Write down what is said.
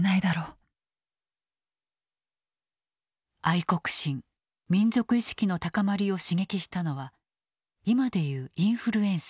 愛国心民族意識の高まりを刺激したのは今で言うインフルエンサー。